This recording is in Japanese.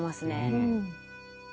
うん。